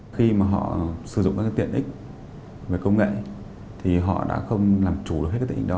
khi mà họ sử dụng các tiện ích về công nghệ thì họ đã không làm chủ được hết cái tình hình đó